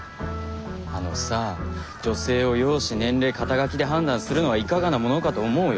あのさ女性を容姿年齢肩書で判断するのはいかがなものかと思うよ。